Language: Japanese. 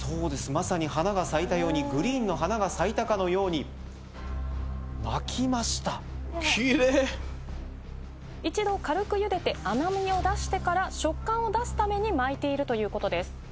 まさに花が咲いたようにグリーンの花が咲いたかのように巻きました一度軽くゆでて甘みを出してから食感を出すために巻いているということです